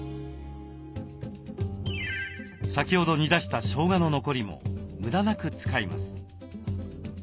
先ほど煮出したしょうがの残りも無駄なく使います。